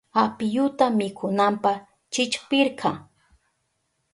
Apiyuta mikunanpa chillpirka.